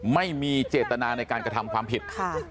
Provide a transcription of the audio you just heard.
ไม่มีเจตนาในการกระทำความผิด